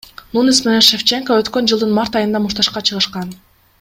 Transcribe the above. Нунес менен Шевченко өткөн жылдын март айында мушташка чыгышкан.